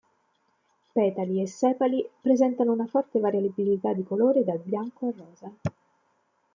Petali e sepali presentano una forte variabilità di colore, dal bianco al rosa.